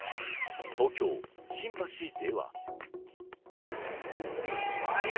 東京・新橋では。